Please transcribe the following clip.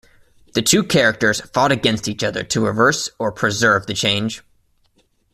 The two characters fought against each other to reverse or preserve the change.